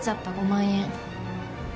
５万円